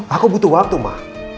aku butuh waktu ma